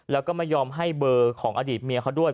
แล้วก็ไม่ยอมให้เบอร์ของอดีตเมียเขาด้วย